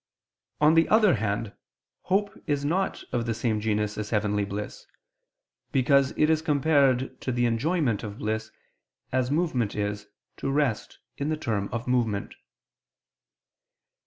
On the other hand, hope is not of the same genus as heavenly bliss: because it is compared to the enjoyment of bliss, as movement is to rest in the term of movement.